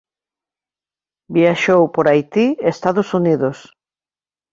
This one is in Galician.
Viaxou por Haití e Estados Unidos.